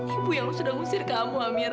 ibu yang harusnya ngusir kamu amira